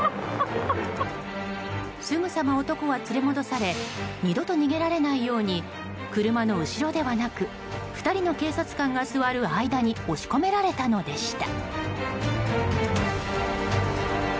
すぐさま男は連れ戻され二度と逃げられないように車の後ろではなく２人の警察官が座る間に押し込められたのでした。